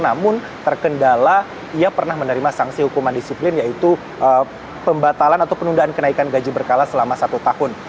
namun terkendala ia pernah menerima sanksi hukuman disiplin yaitu pembatalan atau penundaan kenaikan gaji berkala selama satu tahun